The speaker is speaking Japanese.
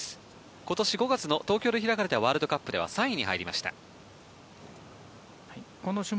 今年、東京で開かれたワールドカップでは３位に入りました。